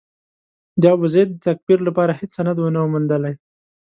د ابوزید د تکفیر لپاره هېڅ سند نه و موندلای.